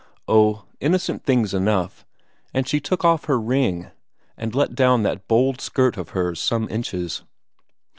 Oh, innocent things enough; and she took off her ring, and let down that bold skirt of hers some inches.